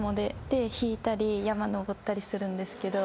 で引いたり山上ったりするんですけど。